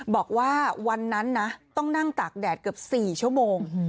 บอกว่าวันนั้นนะต้องนั่งตากแดดเกือบ๔ชั่วโมง